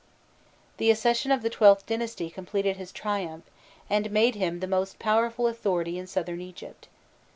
The accession of the XIIth dynasty completed his triumph, and made him the most powerful authority in Southern Egypt.